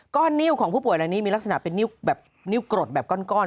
ก้อนนิ้วของผู้ป่วยอันนี้มีลักษณะเป็นนิ้วกรดแบบก้อน